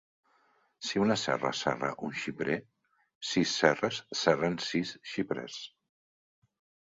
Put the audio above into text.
Si una serra serra un xiprer, sis serres serren sis xiprers.